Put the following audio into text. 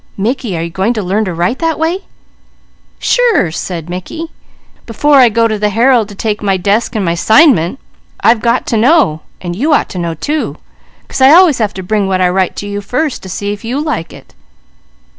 "Mickey, are you going to learn to write that way?" "Sure!" said Mickey. "Before I go to the Herald to take my desk, and my 'signment,' I've got to know, and you ought to know too; 'cause I always have to bring what I write to you first, to see if you like it."